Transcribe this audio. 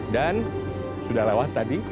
dan sudah lewat tadi